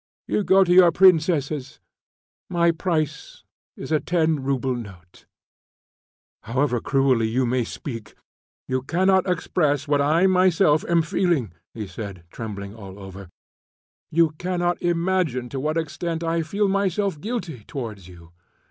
You go to your princesses; my price is a ten rouble note." "However cruelly you may speak, you cannot express what I myself am feeling," he said, trembling all over; "you cannot imagine to what extent I feel myself guilty towards you."